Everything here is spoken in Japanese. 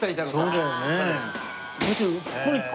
そうだよね。